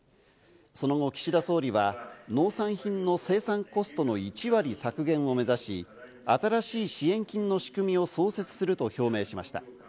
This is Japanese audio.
その後、岸田総理は農産品の生産コストの１割削減を目指し、新しい支援金の仕組みを創設すると表明しました。